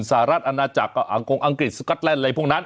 สหรัฐอาณาจักรอังกฤษสกัตเบล์อะไรพวกนั้น